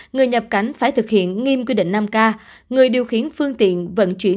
người nhập cảnh phải thực hiện nghiêm quy định năm k người điều khiển phương tiện vận chuyển